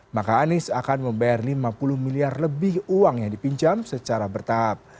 maka anies akan membayar lima puluh miliar lebih uang yang dipinjam secara bertahap